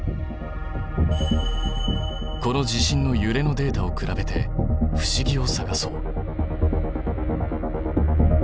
この地震のゆれのデータを比べて不思議を探そう。